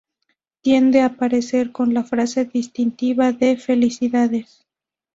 Tiende a aparecer con la frase distintiva de "¡Felicidades!